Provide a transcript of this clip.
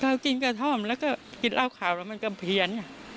ถ้าชี้กระท้อมแล้วก็รับข่าวรับกำเภียน